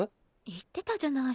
言ってたじゃない。